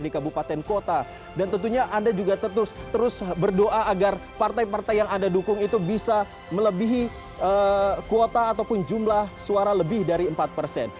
di kabupaten kota dan tentunya anda juga terus berdoa agar partai partai yang anda dukung itu bisa melebihi kuota ataupun jumlah suara lebih dari empat persen